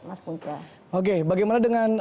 mas putra oke bagaimana dengan